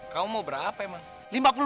kamu mau berapa ma'e